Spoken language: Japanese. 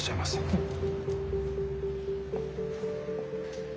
うん。